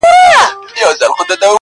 يو په بل مي انسانان دي قتل كړي -